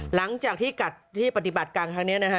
หลังจากที่กัดที่ปฏิบัติการครั้งนี้นะฮะ